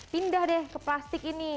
pindah deh ke plastik ini